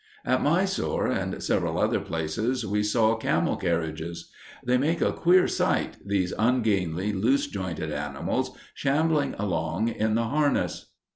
At Mysore and several other places, we saw camel carriages. They make a queer sight, these ungainly, loose jointed animals shambling along in the harness.